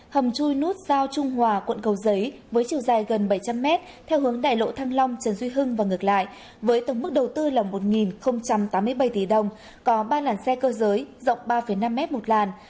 hầm chui nút giao trung hòa quận cầu giấy với chiều dài gần bảy trăm linh m theo hướng đại lộ thăng long trần duy hưng và ngược lại với tổng mức đầu tư là một tám mươi bảy tỷ đồng có ba làn xe cơ giới rộng ba năm m một làn